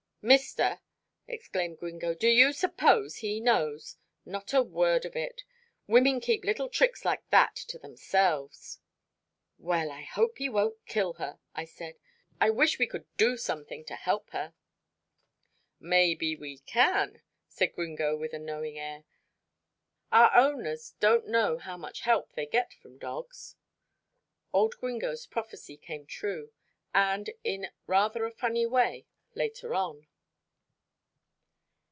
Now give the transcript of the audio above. "Mister," exclaimed Gringo, "do you suppose he knows? Not a word of it. Women keep little tricks like that to themselves." "Well, I hope he won't kill her," I said. "I wish we could do something to help her." "Maybe we can," said Gringo with a knowing air. "Our owners don't know how much help they get from dogs." Old Gringo's prophecy came true, and in rather a funny way, later on.